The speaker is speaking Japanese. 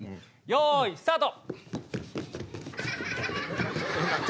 よいスタート！